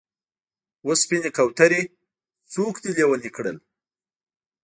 و سپینې کوترې! څوک دې لېونی کړل؟